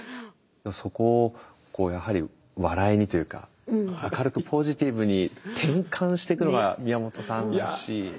そこをやはり笑いにというか明るくポジティブに転換していくのが宮本さんらしい。